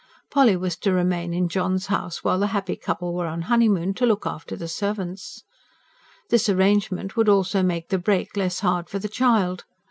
Polly was to remain in John's house while the happy couple were on honeymoon, to look after the servants. This arrangement would also make the break less hard for the child.